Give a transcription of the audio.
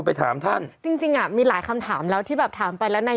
มีคำมองไปถึงว่าทุกอย่างขึ้นหมดค่าแรง